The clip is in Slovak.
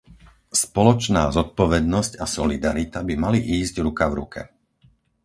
Spoločná zodpovednosť a solidarita by mali ísť ruka v ruke.